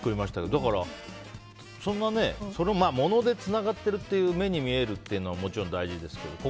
だから、そんなね物でつながってるっていう目に見えるというのももちろん大事ですけど。